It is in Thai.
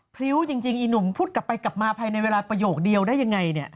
พริ้วจริงอีหนุ่มพูดกลับไปกลับมาภายในเวลาประโยคเดียวได้ยังไงเนี่ย